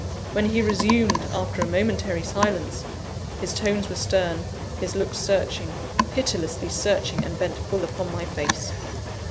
When he resumed, after a momentary silence, his tones were stern, his looks searching pitilessly searching, and bent full upon my face.